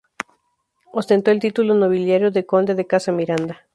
Ostentó el título nobiliario de conde de Casa Miranda.